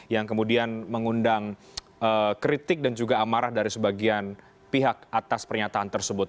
yang kemudian mengundang kritik dan juga amarah dari sebagian pihak atas pernyataan tersebut